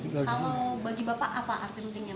kalau bagi bapak apa arti pentingnya